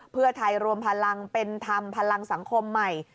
เพื่อไทยรวมพลังเป็นธรรมพลังสังคมใหม่